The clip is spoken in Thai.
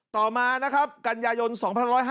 ต่อมากัญญายนศ์๒๑๕๑